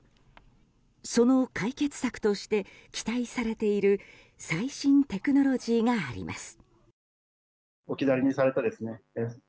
その解決策として期待されている最新テクノロジーがあります。